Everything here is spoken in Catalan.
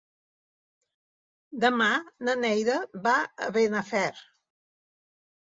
Demà na Neida va a Benafer.